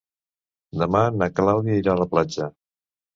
Demà na Clàudia irà a la platja.